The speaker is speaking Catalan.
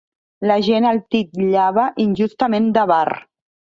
La gent el titllava injustament d'avar.